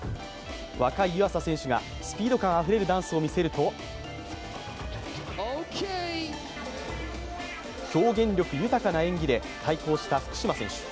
若い湯浅選手がスピード感あふれるダンスを見せると、表現力豊かな演技で対抗した福島選手。